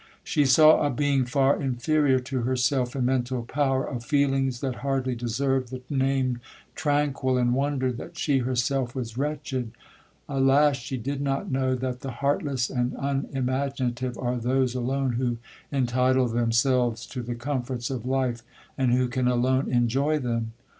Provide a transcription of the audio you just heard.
She saw a being far inferior to herself in mental power,—of feelings that hardly deserved the name—tranquil, and wondered that she herself was wretched.—Alas! she did not know, that the heartless and unimaginative are those alone who entitle themselves to the comforts of life, and who can alone enjoy them.